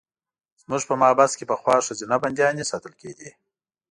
زموږ په محبس کې پخوا ښځینه بندیانې ساتل کېدې.